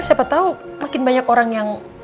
siapa tahu makin banyak orang yang